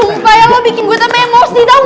sumpah ya lo bikin gue tambah emosi dong